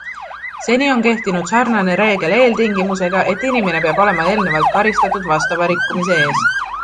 Seni on kehtinud sarnane reegel eeltingimusega, et inimene peab olema eelnevalt karistatud vastava rikkumise eest.